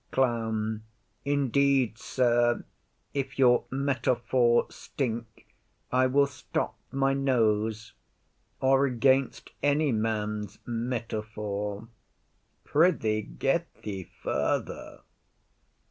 CLOWN. Indeed, sir, if your metaphor stink, I will stop my nose, or against any man's metaphor. Pr'ythee, get thee further.